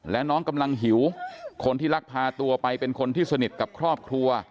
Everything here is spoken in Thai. และน้องกำลังหิวคนที่ลักพาตัวไปเป็นคนที่สนิทกับครอบครัว